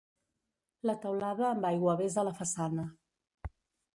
La teulada amb aiguavés a la façana.